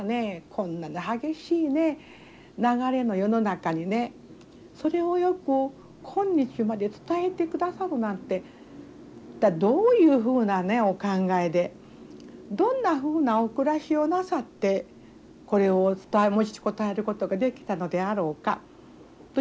こんな激しいね流れの世の中にねそれをよく今日まで伝えてくださるなんて一体どういうふうなねお考えでどんなふうなお暮らしをなさってこれをお伝え持ちこたえることができたのであろうかというようなことがね